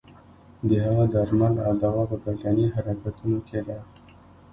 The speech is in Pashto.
د هغه درمل او دوا په بدني حرکتونو کې ده.